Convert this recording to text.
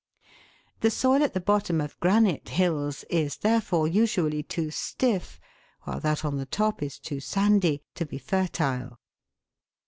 The soil at the bottom of granite hills is, therefore, usually too stiff, while that on the top is too sandy, to be fertile.